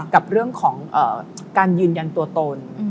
กับเรื่องของการยืนยันตัวตน